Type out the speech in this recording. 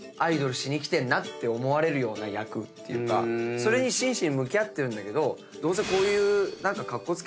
それに真摯に向き合ってるけどどうせカッコつけ